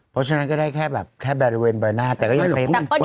เพราะฉะนั้นก็ได้แค่แบบแค่บริเวณใบหน้าแต่ก็ยังเต็ม